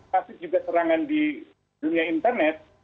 tapi juga serangan di dunia internet